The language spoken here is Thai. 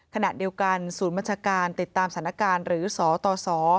ขณะเดียวกันศูนย์บัญชาการติดตามสถานการณ์หรือสตส